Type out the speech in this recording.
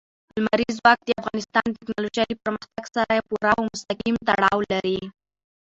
لمریز ځواک د افغانستان د تکنالوژۍ له پرمختګ سره پوره او مستقیم تړاو لري.